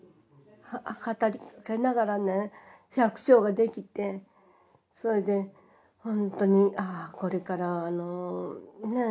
語りかけながらね百姓ができてそれでほんとにああこれからあのねえ